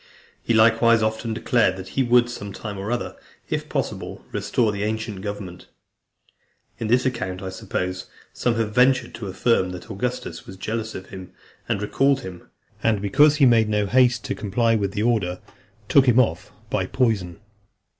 He likewise often declared that he would, some time or other, if possible, restore the ancient government. In this account, I suppose, some have ventured to affirm that Augustus was jealous of him, and recalled him; and because he made no haste to comply with the order, took him off by poison.